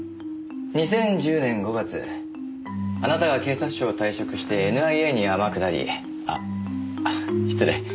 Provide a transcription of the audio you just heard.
２０１０年５月あなたが警察庁を退職してＮＩＡに天下りあっ失礼。